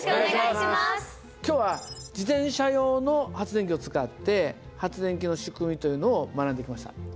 今日は自転車用の発電機を使って発電機の仕組みというのを学んできました。